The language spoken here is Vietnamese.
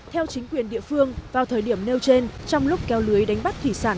theo chính quyền địa phương vào thời điểm nêu trên trong lúc kéo lưới đánh bắt thủy sản